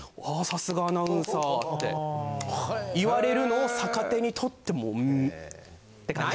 さすがアナウンサーって言われるのを逆手にとってもううんって感じ。